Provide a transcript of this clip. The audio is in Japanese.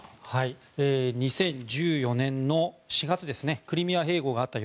２０１４年４月クリミア併合があった